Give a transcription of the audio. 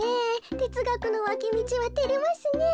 てつがくのわきみちはてれますねえ。